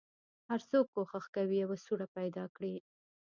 هر څوک کوښښ کوي یوه سوړه پیدا کړي.